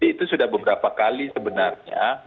itu sudah beberapa kali sebenarnya